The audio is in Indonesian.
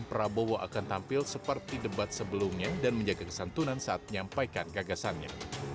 prabowo akan tampil seperti debat sebelumnya dan menjaga kesantunan saat menyampaikan gagasannya